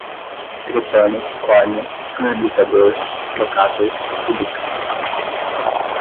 trepano, córnea, tunelizador, trocater, púbica